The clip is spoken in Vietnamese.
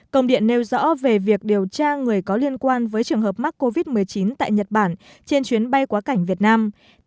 công điện nêu rõ về việc điều tra người có liên quan với trường hợp mắc covid một mươi chín tại nhật bản trên chuyến bay quá cảnh việt nam